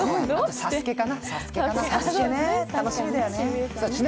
「ＳＡＳＵＫＥ」かな。